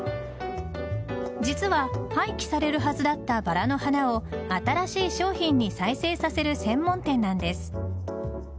実は廃棄されるはずだったバラの花を新しい商品に再生させる専門店なんです。